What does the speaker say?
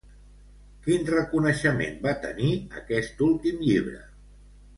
Quin reconeixement va tenir aquest últim llibre?